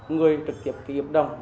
người trực tiếp ký ếp đồng